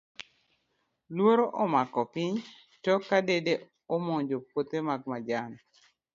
Luoro omako piny, tok ka dede omonjo puthe mag majan.